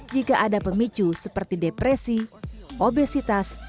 jika ada pemicu seperti depresi obesitas